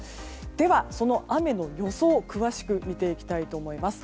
ではその雨の予想を詳しく見ていきたいと思います。